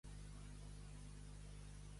La perdiu, pel pic mor.